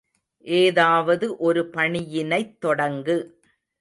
ஏதாவது ஒரு பணியினைத் தொடங்கு!